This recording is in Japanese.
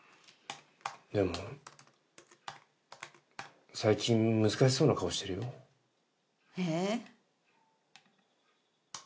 でも最近難しそうな顔してるよ。え？